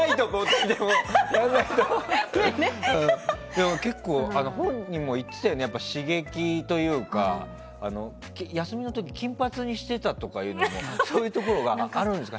でも、本人も言ってたけど刺激というか、休みの時金髪にしてたっていうのもそういうところがあるんですか？